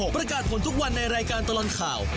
ประกาศผลทุกวันในรายการตลอดข่าว